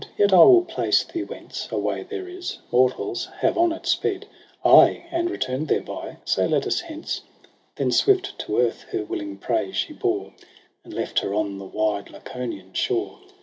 Yet I will place thee whence A way there is : mortals have on it sped • Ay, and retum'd thereby : so let us hence.' Then swift to earth her willing prey she bore. And left her on the wide Laconian shore.